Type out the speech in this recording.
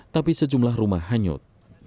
tapi sejumlah rumah hanyut